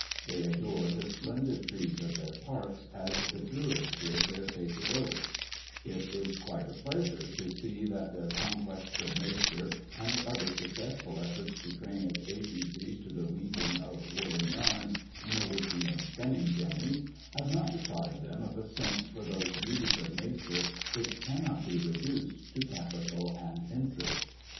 They adore the splendid trees of their parks as the Druids did their sacred oaks; it is quite a pleasure to see that their conquests of nature, and other successful efforts to train its agencies to the weaving of woollen yarns, and the working of spinning jennies, have not deprived them of a sense for those beauties of nature which cannot be reduced to capital and interest.